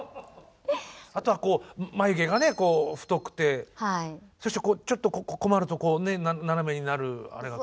あとはこう眉毛がね太くてそしてちょっと困ると斜めになるあれがかわいらしくて。